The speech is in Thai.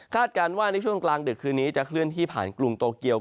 การว่าในช่วงกลางดึกคืนนี้จะเคลื่อนที่ผ่านกรุงโตเกียว